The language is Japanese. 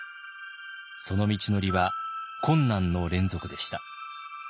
その道のりは困難の連続でした。